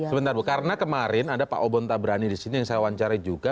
sebentar karena kemarin ada pak obon tabrani disini yang saya wawancari juga